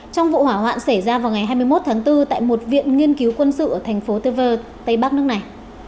trong vụ hỏa hoạn xảy ra vào ngày hai mươi một tháng bốn tại một viện nghiên cứu quân sự ở thành phố tever tây bắc nước này